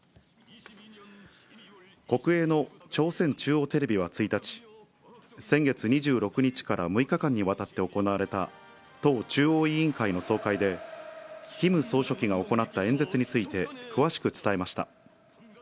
国営の朝鮮中央テレビは１日、先月２６日から６日間にわたって行われた、党中央委員会の総会で、キム総書記が行った演説について詳しく伝えました。